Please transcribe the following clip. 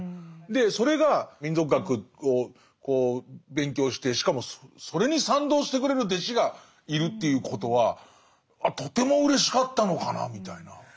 でそれが民俗学を勉強してしかもそれに賛同してくれる弟子がいるっていうことはとてもうれしかったのかなみたいな。